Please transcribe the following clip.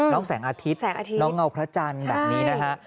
น้องแสงอาทิตย์น้องเงากระจันแบบนี้นะคะ